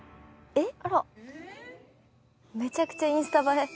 めちゃくちゃインスタ映え。